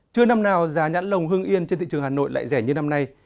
chưa năm nào giá nhãn lồng hương yên trên thị trường hà nội lại rẻ như năm nay